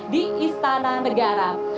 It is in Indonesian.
di istana negara